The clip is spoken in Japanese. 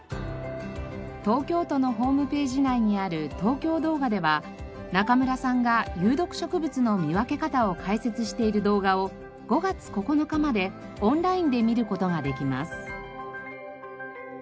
東京都のホームページ内にある「東京動画」では中村さんが有毒植物の見分け方を解説している動画を５月９日までオンラインで見る事ができます。